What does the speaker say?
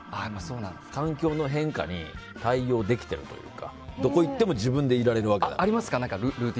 環境の変化に対応できているというかどこだって自分でいられるから。